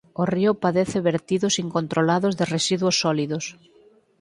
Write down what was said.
O río padece vertidos incontrolados de residuos sólidos.